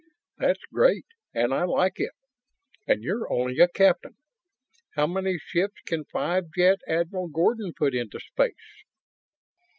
"That's great, and I like it ... and you're only a captain. How many ships can Five Jet Admiral Gordon put into space?"